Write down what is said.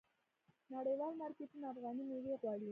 نړیوال مارکیټونه افغاني میوې غواړي.